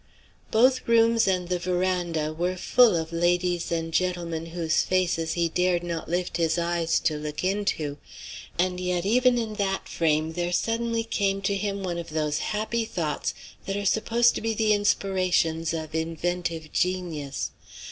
Both rooms and the veranda were full of ladies and gentlemen whose faces he dared not lift his eyes to look into. And yet even in that frame there suddenly came to him one of those happy thoughts that are supposed to be the inspirations of inventive genius.